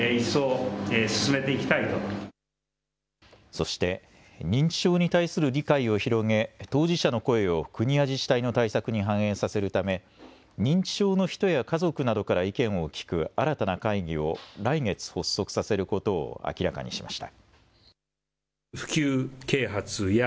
そして認知症に対する理解を広げ当事者の声を国や自治体の対策に反映させるため認知症の人や家族などから意見を聞く新たな会議を来月、発足させることを明らかにしました。